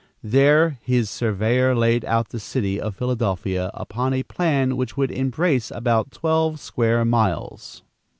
There his surveyor laid out the city of Philadelphia upon a plan which would embrace about twelve square miles.